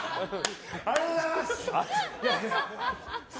ありがとうございます！